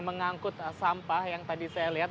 mengangkut sampah yang tadi saya lihat